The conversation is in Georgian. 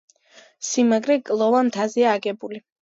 სიმაგრე კლდოვან მთაზეა აგებული.